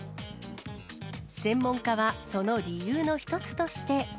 専門家は、その理由の一つとして。